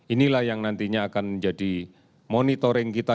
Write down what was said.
inilah yang nantinya akan menjadi monitoring kita